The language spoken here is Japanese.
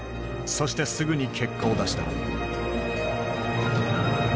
そしてすぐに結果を出した。